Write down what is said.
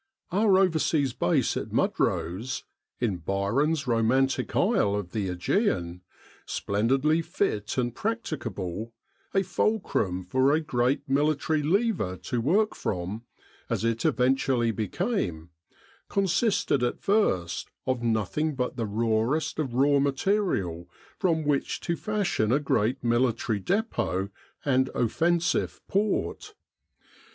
Our overseas Base at Mudros, in Byron's romantic isle of the ^Egean, splendidly fit and practicable a fulcrum for a great military lever to work from, as it eventually became, consisted at first of nothing but the rawest of raw material from which to fashion a s 277 With the R.A.M.C. in Egypt great military depot and offensive port.